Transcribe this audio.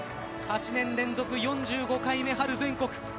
８年連続４５回目春全国